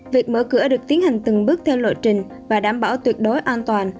việc mở cửa được tiến hành từng bước theo lộ trình và đảm bảo tuyệt đối an toàn